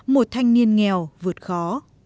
một thanh niên nghèo vượt khó